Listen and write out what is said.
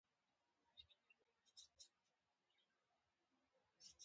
اته نوي زره کاتبانو فعالیت کاوه.